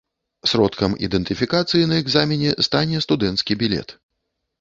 Сродкам ідэнтыфікацыі на экзамене стане студэнцкі білет.